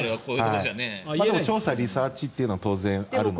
でも、調査、リサーチというのは当然あるので。